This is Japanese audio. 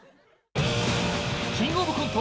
「キングオブコント」